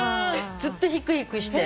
ずっとヒクヒクして。